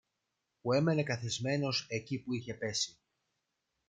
που έμενε καθισμένος εκεί που είχε πέσει